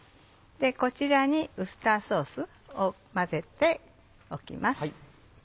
こちらにウスターソースを混ぜておきます。